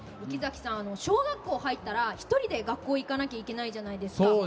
池崎さん小学校に入ったら１人で学校に行かなきゃいけないじゃないですか。